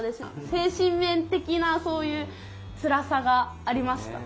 精神面的なそういうつらさがありました。